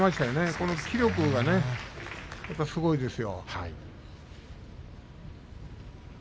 その気力がすごいですよ。